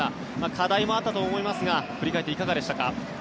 課題もあったと思いますが振り返っていかがでしたか？